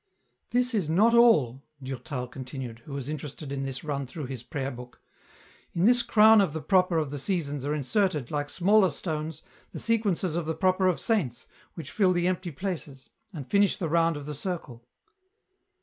This is not all," Durtal continued, who was interested in this run through his prayer book. " In this crown of the Proper of the Seasons are inserted, like smaller stones, the sequences of the Proper of Saints which fill the empty places, and finish the round of the circle.